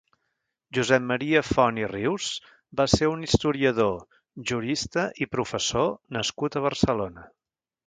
Josep Maria Font i Rius va ser un historiador, jurista i professor nascut a Barcelona.